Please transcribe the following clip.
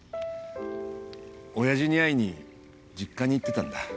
親父に会いに実家に行ってたんだ。